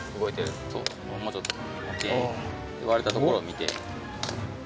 で割れたところを見て。